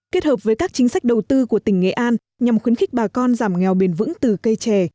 kết hợp với các chính sách đầu tư của tỉnh nghệ an nhằm khuyến khích bà con giảm nghèo bền vững từ cây trè